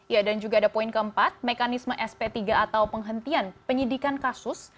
ya dan juga ada poin keempat mekanisme sp tiga atau penghentian penyidikan kasus